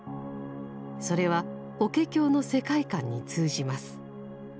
それは法華経の世界観に通じます。